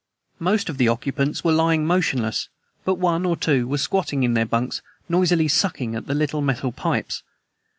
Most of the occupants were lying motionless, but one or two were squatting in their bunks noisily sucking at the little metal pipes.